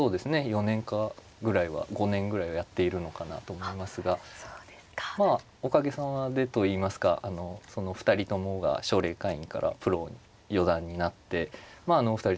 ４年か５年ぐらいはやっているのかなと思いますがまあおかげさまでといいますかその２人ともが奨励会員からプロ四段になって２人とも活躍